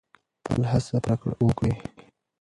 خپله هڅه پوره وکړئ.